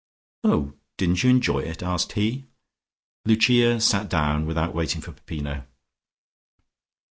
"Oh, didn't you enjoy it?" asked he. Lucia sat down, without waiting for Peppino.